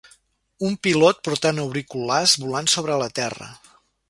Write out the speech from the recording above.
Un pilot portant auriculars volant sobre la terra